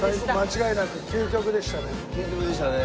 究極でしたね。